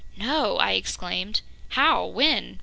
"No!" I exclaimed. "How? When?